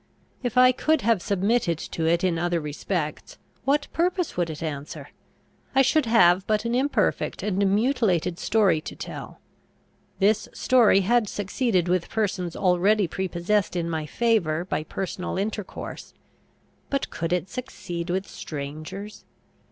If I could have submitted to it in other respects, what purpose would it answer? I should have but an imperfect and mutilated story to tell. This story had succeeded with persons already prepossessed in my favour by personal intercourse; but could it succeed with strangers?